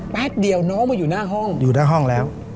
แป๊บเดียวน้องมาอยู่หน้าห้องอยู่หน้าห้องแล้ว